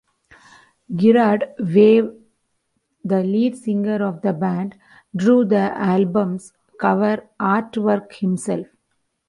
Gerard Way, the lead singer of the band, drew the album's cover artwork himself.